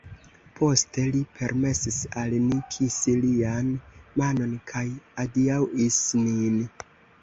Poste li permesis al ni kisi lian manon kaj adiaŭis nin.